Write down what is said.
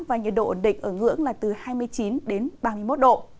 và nhiệt độ định ở ngưỡng là từ hai mươi chín ba mươi một độ